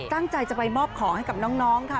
ตั้งใจจะไปมอบของให้กับน้องค่ะ